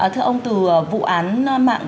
thưa ông từ vụ án mạng